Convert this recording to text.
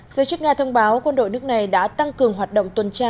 giới chức nga thông báo quân đội nước này đã tăng cường hoạt động tuần tra